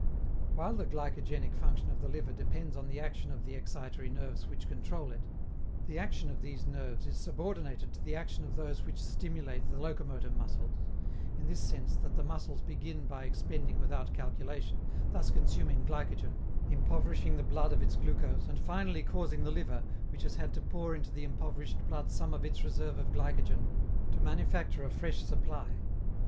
While the glycogenic function of the liver depends on the action of the excitory nerves which control it, the action of these nerves is subordinated to the action of those which stimulate the locomotor muscles in this sense, that the muscles begin by expending without calculation, thus consuming glycogen, impoverishing the blood of its glucose, and finally causing the liver, which has had to pour into the impoverished blood some of its reserve of glycogen, to manufacture a fresh supply.